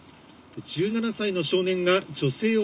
１７歳の少年が女性を殺害。